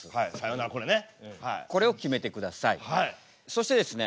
そしてですね